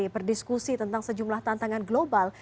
berdiskusi tentang sejumlah tantangan global